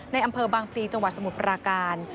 อำเภอบางพลีจังหวัดสมุทรปราการ